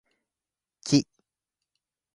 木